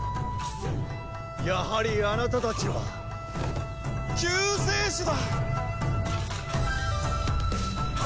やはりあなたたちは救世主だ！